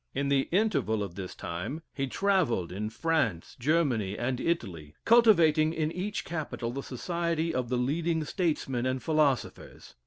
In the interval of this time he travelled in France, Germany, and Italy; cultivating in each capital the society of the leading statesmen and philosophers.